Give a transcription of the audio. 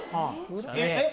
えっ！